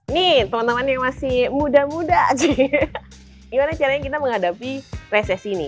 nih teman teman yang masih muda muda sih gimana caranya kita menghadapi resesi ini